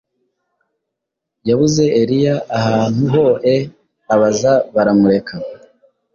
yabuze Eliya, ahantu hoe abaza baramureka